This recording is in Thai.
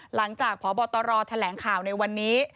หลังจากพบตรแถลงข่าวในวันนี้